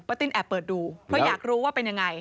ติ้นแอบเปิดดูเพราะอยากรู้ว่าเป็นยังไง